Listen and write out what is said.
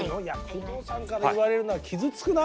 工藤さんから言われるのは傷つくな。